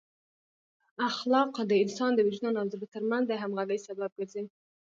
اخلاق د انسان د وجدان او زړه ترمنځ د همغږۍ سبب ګرځي.